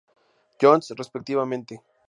Johns, respectivamente.